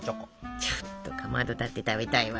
ちょっとかまどだって食べたいわ。